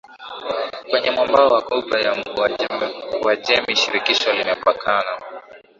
kwenye mwambao wa ghuba ya UajemiShirikisho limepakana